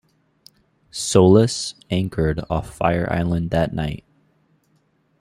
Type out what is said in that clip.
"Solace" anchored off Fire Island that night.